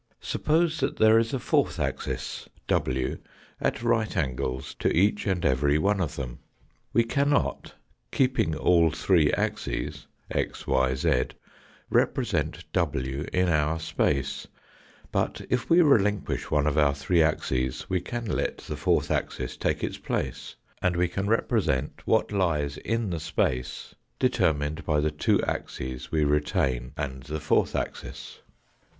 Suppose that there is a fourth axis, w, at right angles to each and every one of them. We cannot, keeping all three axes, a;, y, z, represent iv in our space ; but if we relinquish one of our three axes we can let the fourth axis take its place, and we can represent what lies in the space, determined by the two axes we retain and the fourth axis.